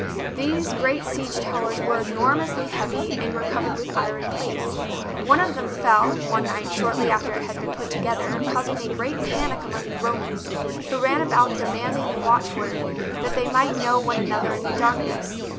These great siege towers were enormously heavy, arid were covered with iron plates. One of them fell, one night, shortly after it had been put together, causing a great panic among the Romans, who ran about " demanding the watchword," that they might know one another in the darkness.